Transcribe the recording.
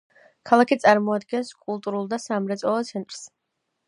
ქალაქი წარმოადგენს კულტურულ და სამრეწველო ცენტრს.